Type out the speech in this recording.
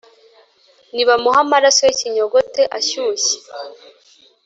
“Nibamuhe amaraso y’ikinyogote ashyushye